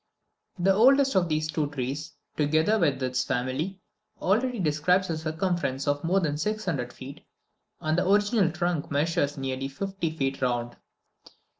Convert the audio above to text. The oldest of these two trees, together with its family, already describes a circumference of more than 600 feet, and the original trunk measures nearly fifty feet round.